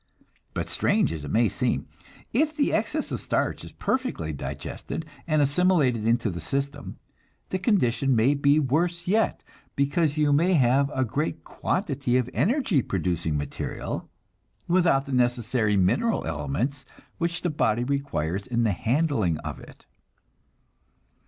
But strange as it may seem, if the excess of starch is perfectly digested and assimilated into the system, the condition may be worse yet, because you may have a great quantity of energy producing material, without the necessary mineral elements which the body requires in the handling of it.